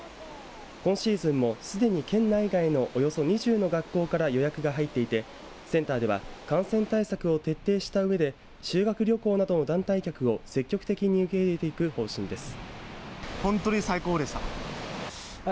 今シーズンもすでに県内外のおよそ２０の学校から予約が入っていてセンターでは感染対策を徹底したうえで修学旅行などの団体客を積極的に受け入れていく方針です。